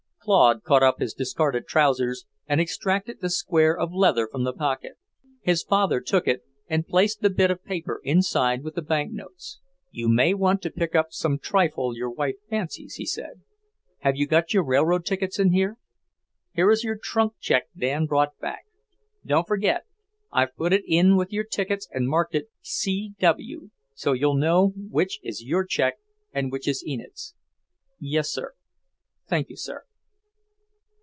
Claude caught up his discarded trousers and extracted a square of leather from the pocket. His father took it and placed the bit of paper inside with the bank notes. "You may want to pick up some trifle your wife fancies," he said. "Have you got your railroad tickets in here? Here is your trunk check Dan brought back. Don't forget, I've put it in with your tickets and marked it C. W., so you'll know which is your check and which is Enid's." "Yes, sir. Thank you, sir."